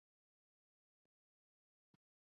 جبکہ university canteen کے کنارے لگا چیڑ کا درخت خاموش ہے